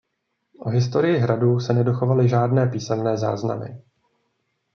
O historii hradu se nedochovaly žádné písemné záznamy.